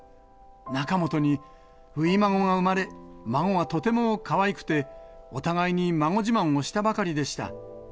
仲本に初孫が産まれ、孫がとてもかわいくて、お互いに孫自慢をしたばかりでした。